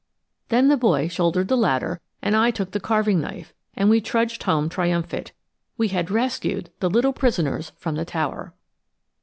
Then the boy shouldered the ladder, and I took the carving knife, and we trudged home triumphant; we had rescued the little prisoners from the tower!